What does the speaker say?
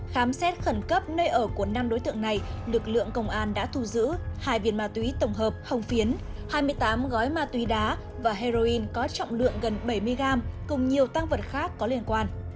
khám xét khẩn cấp nơi ở của năm đối tượng này lực lượng công an đã thu giữ hai viên ma túy tổng hợp hồng phiến hai mươi tám gói ma túy đá và heroin có trọng lượng gần bảy mươi gram cùng nhiều tăng vật khác có liên quan